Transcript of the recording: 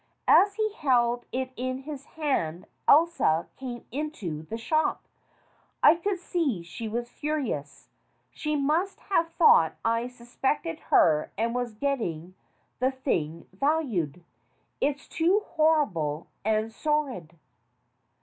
As he held it in his hand Elsa came into the shop. I could see she was furious. She must have thought that I suspected her and was getting the thing valued. It's too horrible and sordid."